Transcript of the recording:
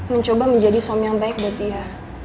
mencoba menjadi suami yang baik buat dia